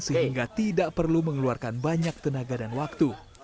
sehingga tidak perlu mengeluarkan banyak tenaga dan waktu